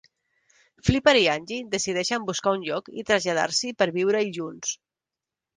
Flipper i Angie decideixen buscar un lloc i traslladar-s'hi per viure-hi junts.